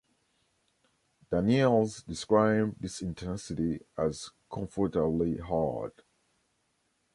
Daniels describe this intensity as "comfortably hard".